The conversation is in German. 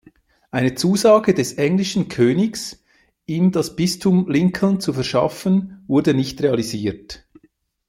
Eine Zusage des englischen Königs, ihm das Bistum Lincoln zu verschaffen, wurde nicht realisiert.